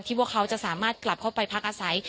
ว่าเขาจะสามารถกลับเข้าไปพักอาศัย